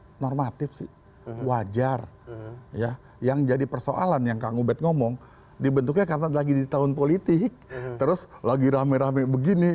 itu normatif sih wajar ya yang jadi persoalan yang kang ubed ngomong dibentuknya karena lagi di tahun politik terus lagi rame rame begini